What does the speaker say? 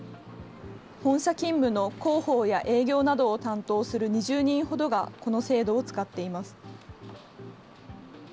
本社勤務の広報や営業などを担当する２０人ほどが、この制度を使っています。